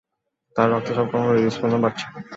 তার রক্তচাপ কম এবং হৃদস্পন্দন বাড়ছে।